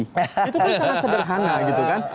itu kan sangat sederhana gitu kan